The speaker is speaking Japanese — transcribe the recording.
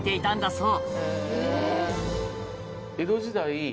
そう！